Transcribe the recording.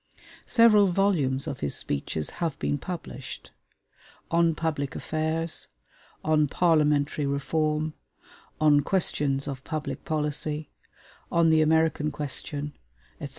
Several volumes of his speeches have been published: 'On Public Affairs'; 'On Parliamentary Reform'; 'On Questions of Public Policy'; 'On the American Question,' etc.